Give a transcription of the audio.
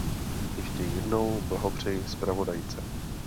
Ještě jednou blahopřeji zpravodajce.